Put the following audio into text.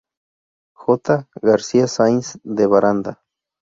J. García Sainz de Baranda.